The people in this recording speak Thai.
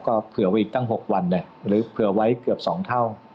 ก็เผื่อไว้อีกตั้ง๖วันหรือเผื่อไว้เกือบ๒เท่า